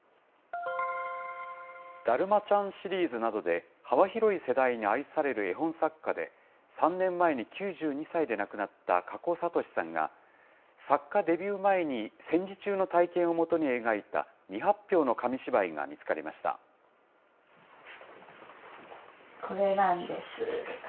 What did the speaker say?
だるまちゃんシリーズなどで幅広い世代に愛される絵本作家で、３年前に９２歳で亡くなったかこさとしさんが、作家デビュー前に戦時中の体験をもとに描いた未発表の紙芝居が見これなんです。